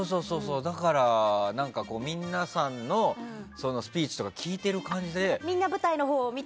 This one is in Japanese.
だから、皆さんのスピーチとか聞いてる感じで。